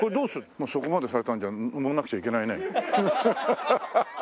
もうそこまでされたんじゃ乗んなくちゃいけないね。